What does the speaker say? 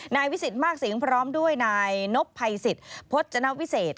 นายวิสิทธิ์มากสิงห์พร้อมด้วยนายนพศิษฐ์พจนวิเศษ